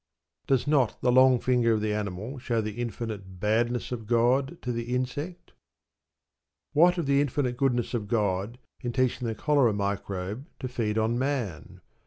Does not the long finger of the animal show the infinite badness of God to the insect? What of the infinite goodness of God in teaching the cholera microbe to feed on man?